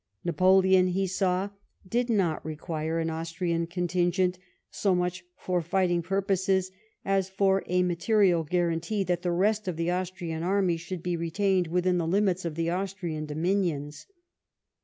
Napoleon, he saw, did not require an Austrian contingent so much for fighting purposes as for a material guarantee that the rest of the Austrian army should be retained within the limits of the Austrian dominions.